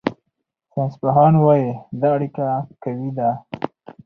ساینسپوهان وايي دا اړیکه قوي ده.